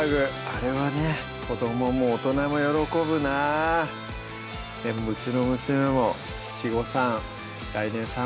あれはね子どもも大人も喜ぶなうちの娘も七五三